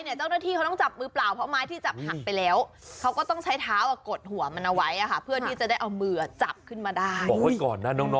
เนื่องจากว่าไม่ได้อยู่ในบุฟเฟ่